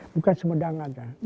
bukan semua orang saja